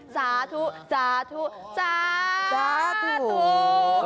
ซาทุซาทุซาทุ